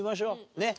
ねっ。